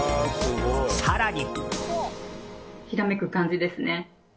更に。